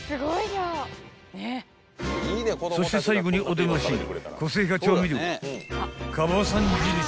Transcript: ［そして最後にお出まし］